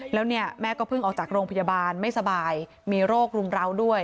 แล้วเนี่ยแม่ก็เพิ่งออกจากโรงพยาบาลไม่สบายมีโรครุมราวด้วย